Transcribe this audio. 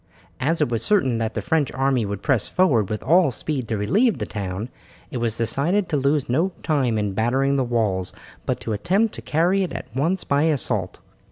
As it was certain that the French army would press forward with all speed to relieve the town, it was decided to lose no time in battering the walls, but to attempt to carry it at once by assault.